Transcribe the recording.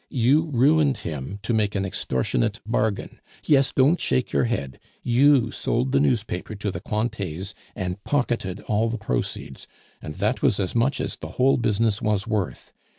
You ruined him to make an extortionate bargain! Yes, don't you shake your head; you sold the newspaper to the Cointets and pocketed all the proceeds, and that was as much as the whole business was worth.